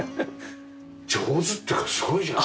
上手っていうかすごいじゃん。